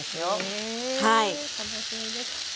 え楽しみです。